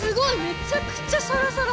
めちゃくちゃサラサラ。